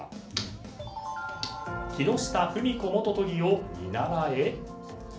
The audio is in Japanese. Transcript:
木下富美子元都議を見習え！？